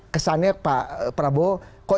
kesannya pak prabowo kok